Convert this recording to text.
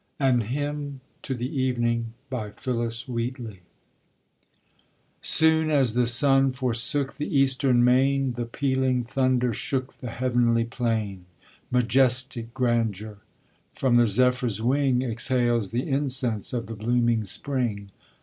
AN HYMN TO THE EVENING PHYLLIS WHEATLEY Soon as the sun forsook the eastern main The pealing thunder shook the heav'nly plain; Majestic grandeur! From the zephyr's wing, Exhales the incense of the blooming spring.